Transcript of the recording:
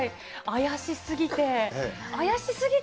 怪しすぎて。